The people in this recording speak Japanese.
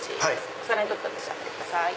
お皿に取ってお召し上がりください。